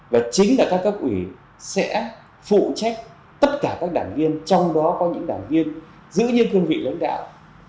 và chính là các cấp ủy sẽ phụ trách tất cả các đảng viên trong đó có những đảng viên giữ như cương vị lãnh đạo